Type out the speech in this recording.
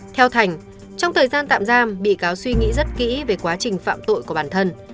theo thành trong thời gian tạm giam bị cáo suy nghĩ rất kỹ về quá trình phạm tội của bản thân